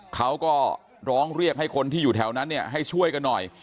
เขาก็ร้องเรียกให้คนที่อยู่แถวนั้นเนี่ยให้ช่วยกันหน่อย